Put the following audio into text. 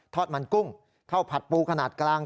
อดมันกุ้งข้าวผัดปูขนาดกลาง